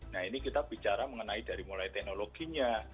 nah ini kita bicara mengenai dari mulai teknologinya